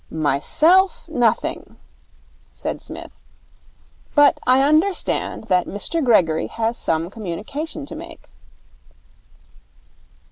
'Myself, nothing,' said Psmith. 'But I understand that Mr Gregory has some communication to make.'